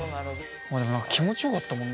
でも何か気持ちよかったもんな